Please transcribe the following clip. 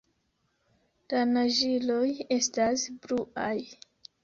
La naĝiloj estas bluaj.